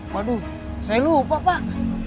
waduh saya lupa pak